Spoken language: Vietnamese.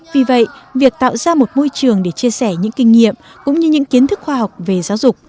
vì vậy việc tạo ra một môi trường để chia sẻ những kinh nghiệm cũng như những kiến thức khoa học về giáo dục